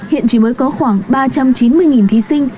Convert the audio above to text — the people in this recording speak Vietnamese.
hiện chỉ mới có khoảng ba trăm chín mươi thí sinh